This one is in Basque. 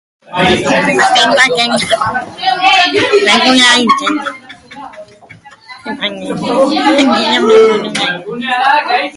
Dena den, webgunea ixteko epailearen baimena beharko dute.